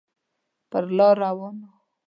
پر لار روان و.